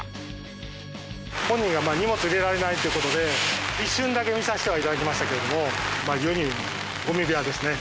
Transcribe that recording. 本人がまあ荷物入れられないっていう事で一瞬だけ見させてはいただきましたけれどもまあ世に言うゴミ部屋ですね。